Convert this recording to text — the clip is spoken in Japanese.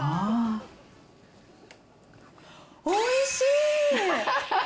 おいしい！